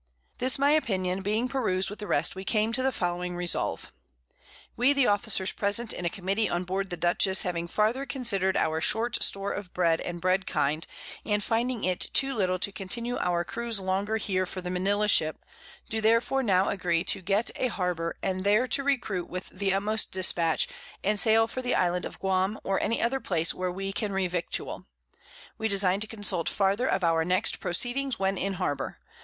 This my Opinion being perused with the rest, we came to the following Resolve. We the Officers present in a Committee on board the Dutchess, _having farther considered our short Store of Bread and Bread kind, and finding it too little to continue our Cruize longer here for the_ Manila Ship, do therefore now agree to get a Harbour, and there to recruit with the utmost dispatch, and sail for the Island of Guam, _or any other Place where we can revictual. We design to consult farther of our next Proceedings, when in Harbour.